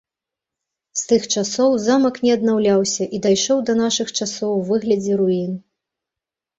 З тых часоў замак не аднаўляўся і дайшоў да нашых часоў у выглядзе руін.